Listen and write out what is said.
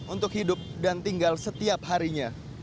untuk hidup dan tinggal setiap harinya